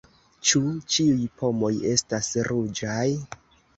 Ĉu ĉiuj pomoj estas ruĝaj?